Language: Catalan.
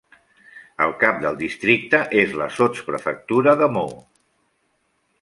El cap del districte és la sotsprefectura de Meaux.